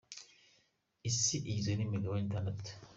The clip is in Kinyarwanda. Isi igizwe nimigabane itandatu.